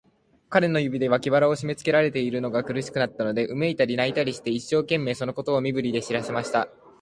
彼の指で、脇腹をしめつけられているのが苦しくなったので、うめいたり、泣いたりして、一生懸命、そのことを身振りで知らせました。